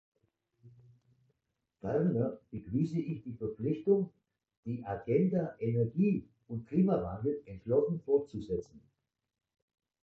Ferner begrüße ich die Verpflichtung, die Agenda Energie und Klimawandel entschlossen fortzusetzen.